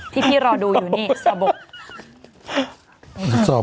ที่พี่รอดูอยู่นี่สะบก